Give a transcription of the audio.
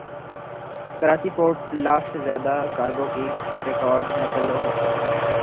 Karachi port lakh سے زائد cargo کی ریکارڈ نقل وحرکت